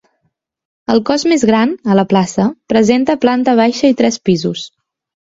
El cos més gran, a la plaça, presenta planta baixa i tres pisos.